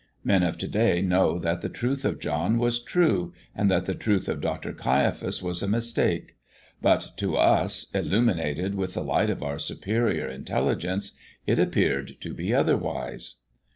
Men of to day know that the Truth of John was true, and that the truth of Dr. Caiaphas was a mistake; but, to us, illuminated with the light of our superior intelligence, it appeared to be otherwise.